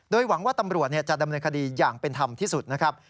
โดยหวังว่าตำรวจจะดำเนินคดีอย่างเป็นธรรมที่สุดนะครับ